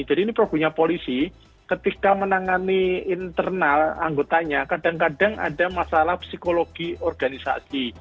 jadi ini perhubungannya polisi ketika menangani internal anggotanya kadang kadang ada masalah psikologi organisasi